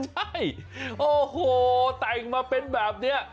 ใช่โอ้โหแต่งมาเป็นแบบนี้